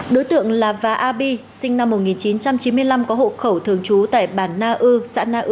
đối tượng là va a bi sinh năm một nghìn chín trăm chín mươi năm có hộ khẩu thường trú tại bàn nam